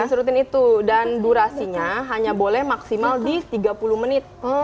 serutin itu dan durasinya hanya boleh maksimal di tiga puluh menit